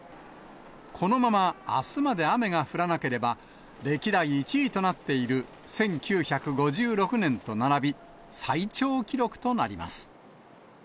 このままあすまで雨が降らなければ、歴代１位となっている１９５６年と並び、最長記録となります。